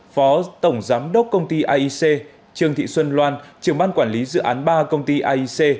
phó tổng giám đốc công ty aic trương thị xuân loan trường ban quản lý dự án ba công ty aic